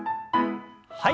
はい。